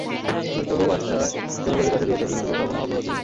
সরকার বহু আশ্বাস জনগণের কাছে দিয়েছে, কিন্তু কোথাও কোনো অগ্রগতি নেই।